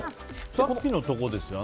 さっきのところですか？